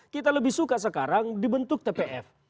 kita lebih suka sekarang dibentuk tpf